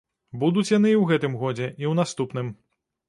Будуць яны і ў гэтым годзе, і ў наступным.